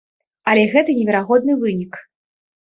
Але гэта неверагодны вынік.